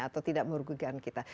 atau tidak merugikan kita